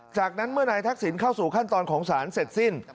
จากนั้นเมื่อนายทักษิณเข้าสู่ขั้นตอนของศาลเสร็จสิ้น